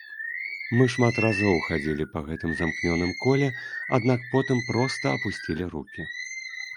Мы шмат разоў хадзілі па гэтым замкнёным коле, аднак потым проста апусцілі рукі.